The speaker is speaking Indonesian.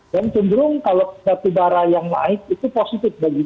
dan cenderung kalau batu bara yang naik itu positif bagi kita